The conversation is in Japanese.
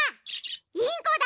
インコだ！